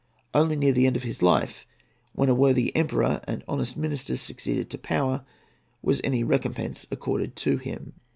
Only near the end of his life, when a worthy Emperor and honest ministers succeeded to power, was any recompence accorded to him.